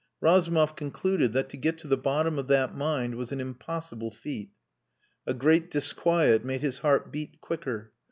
Razumov concluded that to get to the bottom of that mind was an impossible feat. A great disquiet made his heart beat quicker.